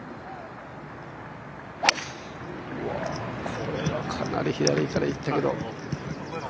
これはかなり左からいったけど。